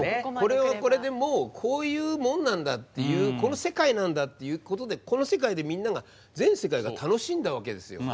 これはこれでもうこういうもんなんだっていうこの世界なんだっていうことでこの世界でみんなが全世界が楽しんだわけですよ。